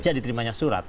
sejak diterimanya surat